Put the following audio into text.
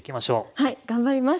はい頑張ります！